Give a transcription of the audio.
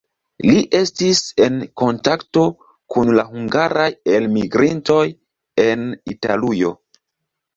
Li estis en kontakto kun la hungaraj elmigrintoj en Italujo.